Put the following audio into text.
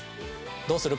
どうする？